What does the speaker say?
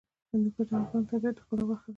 هندوکش د افغانستان د طبیعت د ښکلا برخه ده.